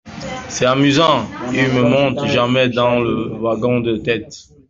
C’est amusant, il ne monte jamais dans le wagon de tête.